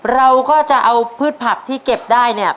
เราก็จะเอาพืชผักที่เก็บได้เนี่ย